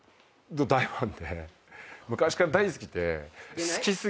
昔から大好きで。